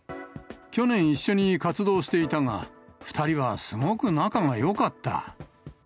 去年、一緒に活動していたが、２人はすごく仲がよかった。